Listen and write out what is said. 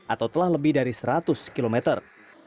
atau telah lebih dari seratus kilometer